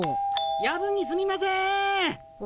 夜分にすみません！